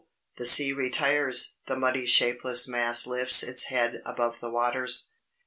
the sea retires, the muddy shapeless mass lifts its head above the waters.